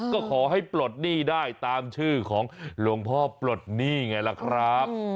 ก็ขอให้ปลดหนี้ได้ตามชื่อของหลวงพ่อปลดหนี้ไงล่ะครับ